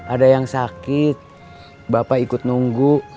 ada yang sakit bapak ikut nunggu